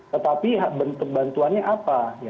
tetapi kebantuannya apa